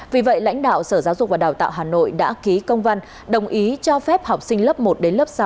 vì vậy lãnh đạo sở giáo dục và đào tạo hà nội đã ký công văn đồng ý cho phép học sinh lớp một đến lớp sáu